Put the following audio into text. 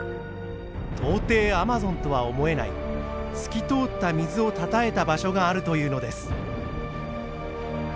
到底アマゾンとは思えない透き通った水をたたえた場所があるというのです。